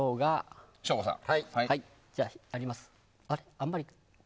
あ、あんまり。